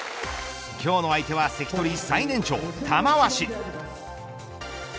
今日の相手は、関取最年長玉鷲。